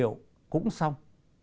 liệu cũng xong